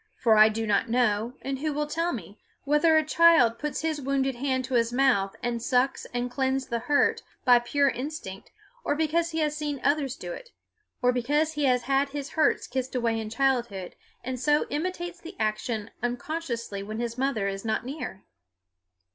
For I do not know, and who will tell me, whether a child puts his wounded hand to his mouth and sucks and cleanses the hurt by pure instinct, or because he has seen others do it, or because he has had his hurts kissed away in childhood, and so imitates the action unconsciously when his mother is not near?